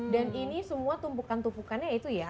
dan ini semua tumpukan tumpukannya itu ya